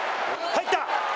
入った！